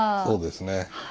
そうですね。